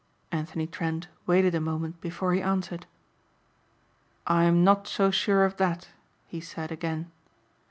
Anthony Trent waited a moment before he answered. "I'm not so sure of that," he said again.